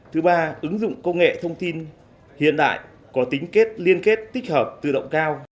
thứ ba ứng dụng công nghệ thông tin hiện đại có tính kết liên kết tích hợp tự động cao